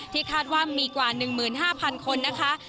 คาดว่ามีกว่า๑๕๐๐คนนะคะ